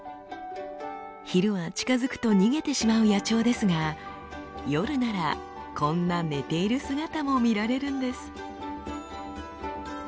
昼は近づくと逃げてしまう野鳥ですが夜ならこんな寝ている姿も見られるんです。